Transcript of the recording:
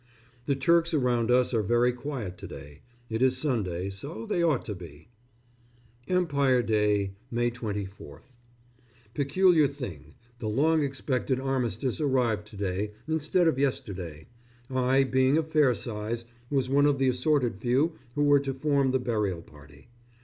The Turks around us are very quiet to day. It is Sunday, so they ought to be. Empire Day, May 24th. Peculiar thing the long expected armistice arrived to day, instead of yesterday.... I, being of fair size, was one of the assorted few who were to form the burial party.